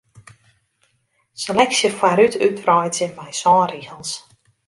Seleksje foarút útwreidzje mei sân rigels.